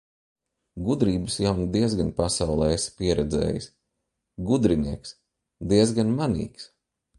Gudrības jau nu diezgan pasaulē esi pieredzējies. Gudrinieks! Diezgan manīgs.